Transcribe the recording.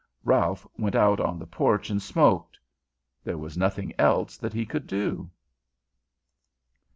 Ralph went out on the porch and smoked. There was nothing else that he could do.